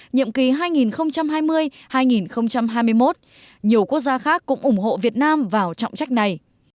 nhiệm kỳ hai nghìn hai mươi hai nghìn hai mươi một nhiều quốc gia khác cũng ủng hộ việt nam vào trọng trách này